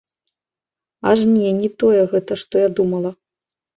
Аж не, не тое гэта, што я думала.